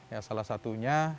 ya salah satunya